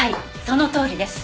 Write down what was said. そのとおりです。